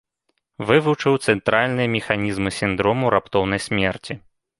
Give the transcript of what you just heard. Вывучыў цэнтральныя механізмы сіндрому раптоўнай смерці.